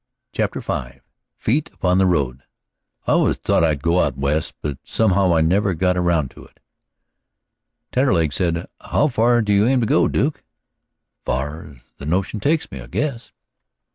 CHAPTER V FEET UPON THE ROAD "I always thought I'd go out West, but somehow I never got around to it," Taterleg said. "How far do you aim to go, Duke?" "As far as the notion takes me, I guess."